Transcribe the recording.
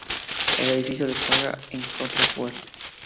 El edificio descarga en contrafuertes.